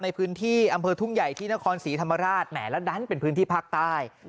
ในพื้นที่อำเภอทุ่งใหญ่ที่นครศรีธรรมราชแหมแล้วดันเป็นพื้นที่ภาคใต้